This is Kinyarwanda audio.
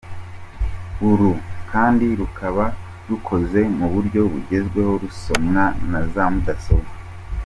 Uru kandi rukaba rukoze mu buryo bugezweho rusomwa na za mudasobwa.